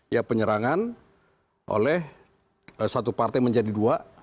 ya penyerangan oleh satu partai menjadi dua